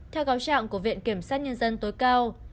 theo cáo trạng của viện kiểm sát nhân dân tối cao